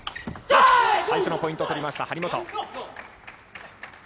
最初のポイント取りました、張本。